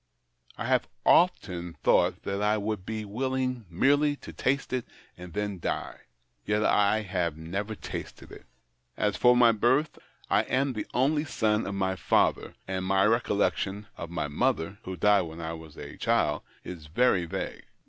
I have often thought that I would be willing merely to taste it and then die. Yet I have never tasted it. As for my Ijirtli, I am the only son of my father, and my recollection of my mother — who died when I was a child — is very vague.